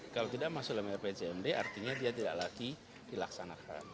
kalau tidak masuk dalam rpjmd artinya dia tidak lagi dilaksanakan